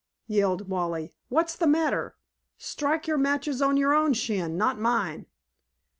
yelled Wally. "What's the matter? Strike your matches on your own shin, not mine."